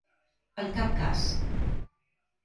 En cap cas.